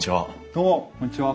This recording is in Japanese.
どうもこんにちは。